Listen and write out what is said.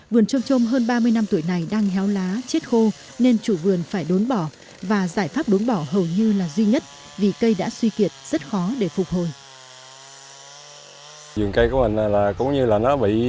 vườn trôm trôm hơn ba mươi năm tuổi này đang héo lá chết khô nên chủ vườn phải đốn bỏ và giải pháp đốn bỏ hầu như là duy nhất vì cây đã suy kiệt rất khó để phục hồi